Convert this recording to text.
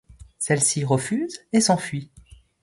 Celle-ci refuse et s’enfuit.